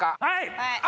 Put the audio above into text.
はい！